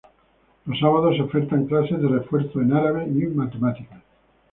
Los sábados se ofertan clases de refuerzo en árabe y matemáticas.